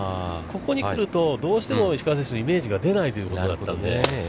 ここに来ると、どうしても石川選手、イメージが出ないということだったんで。